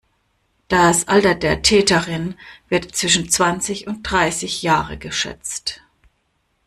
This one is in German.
Das Alter der Täterin wird zwischen zwanzig und dreißig Jahre geschätzt.